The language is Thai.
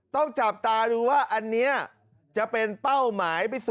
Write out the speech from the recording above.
ต้องจับตาดูว่าอันนี้จะเป็นเป้าหมาย